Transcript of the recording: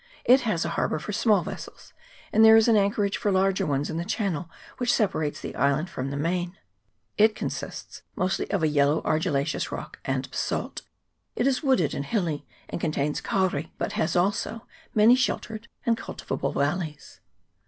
] GULF OF HAURAKI. 283 It has a harbour for small vessels, and there is an anchorage for larger ones in the channel which separates the island from the main. It consists mostly of a yellow argillaceous rock and basalt ; it is wooded and hilly, and contains kauri, but has also many sheltered and cultivable valleys.